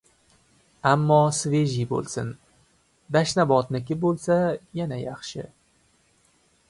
Ammo svejiy bo‘lsin. Dashnobodniki bo‘lsa, yana yaxshi.